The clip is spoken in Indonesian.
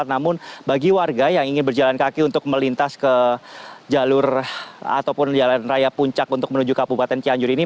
namun bagi warga yang ingin berjalan kaki untuk melintas ke jalur ataupun jalan raya puncak untuk menuju kabupaten cianjur ini